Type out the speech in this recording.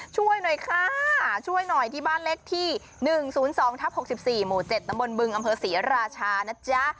ช่วยหน่อยค่ะช่วยหน่อยที่บ้านเล็กที่๑๐๒ทับ๖๔หมู่๗ตำบลบึงอำเภอศรีราชานะจ๊ะ